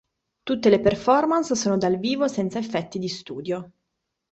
Tutte le performance sono dal vivo senza effetti di studio.